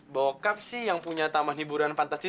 bokap sih yang punya taman hiburan fan saat diho